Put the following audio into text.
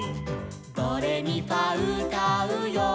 「ドレミファうたうよ」